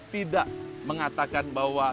tidak mengatakan bahwa